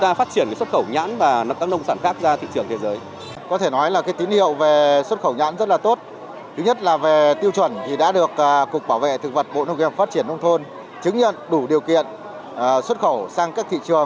trong đó tiêu thụ nhiều nhất là mặt hàng nhãn sông mã